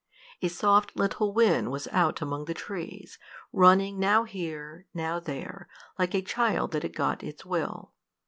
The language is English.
A soft little wind was out among the trees, running now here, now there, like a child that had got its will.